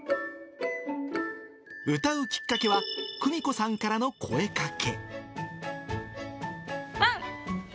歌うきっかけは、久美子さんからの声かけ。